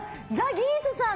ギースさん